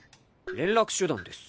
連絡手段です。